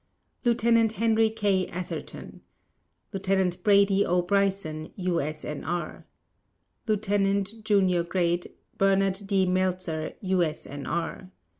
Lieutenant Henry K. Atherton Lieutenant Brady O. Bryson, U.S.N.R. Lieutenant (j. g.) Bernard D. Meltzer, U.S.N.R.